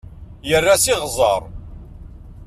Yerra s iɣẓer.